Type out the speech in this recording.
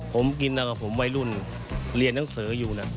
ผมกินตั้งแต่ว่าผมวัยรุ่นเรียนตั้งเสริมอยู่น่ะ